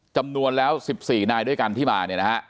จำนวนแล้ว๑๔นายด้วยกันที่มา